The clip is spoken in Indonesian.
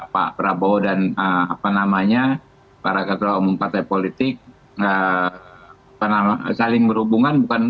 pak prabowo dan apa namanya para ketua umum partai politik saling berhubungan